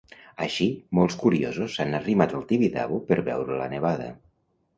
Així, molts curiosos s'han arrimat al Tibidabo per veure la nevada.